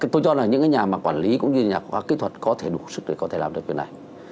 tôi cho là những cái nhà mà quản lý cũng như nhà kỹ thuật có thể đủ sức để có thể làm được việc này